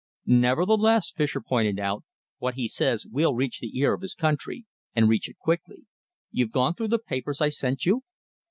"Nevertheless," Fischer pointed out, "what he says will reach the ear of his country, and reach it quickly. You've gone through the papers I sent you?"